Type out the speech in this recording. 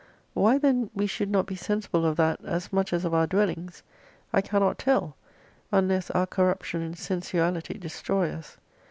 Why then we should not be sensible of that as much as of our dwellings, I cannot tell, unless our corruption and sen suality destroy us.